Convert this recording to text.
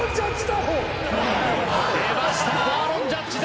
出ましたアーロン・ジャッジ打法。